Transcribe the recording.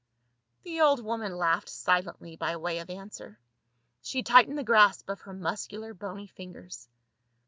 The old woman laughed silently by way of answer ; she tightened the grasp of her muscular bony fingers.